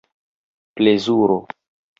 plezuro